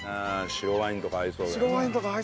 白ワインとか合いそうですね。